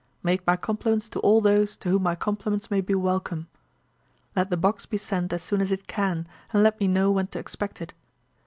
'Make my compliments to all those to whom my compliments may be welcome. 'Let the box be sent as soon as it can, and let me know when to expect it.